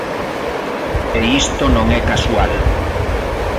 E isto non é casual.